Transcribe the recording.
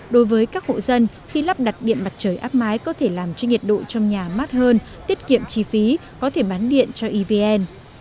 đối với các hộ dân khi lắp đặt điện mặt trời áp mái có thể làm cho nhiệt độ trong nhà mát hơn tiết kiệm chi phí có thể bán điện cho evn